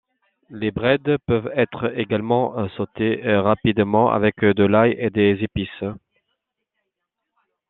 Les brèdes peuvent être également sautées rapidement avec de l'ail et des épices.